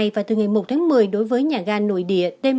và từ ngày một tháng một mươi đối với nhà ga nội địa t một